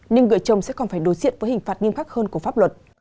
nhưng người chồng sẽ còn phải đối diện với hình phạt nghiêm khắc hơn của pháp luật